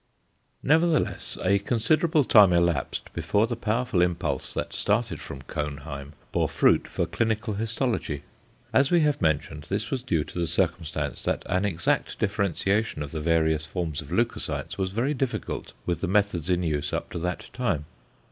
Nevertheless, a considerable time elapsed before the powerful impulse that started from Cohnheim, bore fruit for clinical histology. As we have mentioned this was due to the circumstance that an exact differentiation of the various forms of leucocytes was very difficult with the methods in use up to that time.